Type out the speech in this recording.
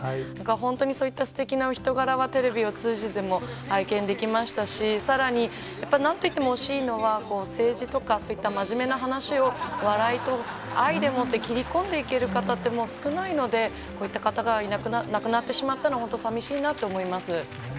本当にそのすてきなお人柄は、テレビを通じても拝見できましたし、さらにやっぱなんといっても惜しいのは政治とかそういった真面目な話を笑いと愛でもって切り込んでいける方って、もう少ないので、こういった方が亡くなってしまったのは本当さみしいなと思います。